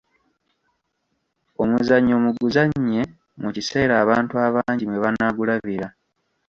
Omuzannyo muguzannye mu kiseera abantu abangi mwe banaagulabira.